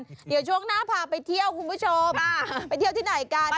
เดี๋ยวช่วงหน้าพาไปเที่ยวคุณผู้ชมไปเที่ยวที่ไหนกัน